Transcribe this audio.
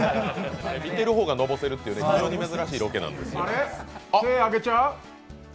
見てる方がのぼせるっていう非常に珍しいロケなんですよ。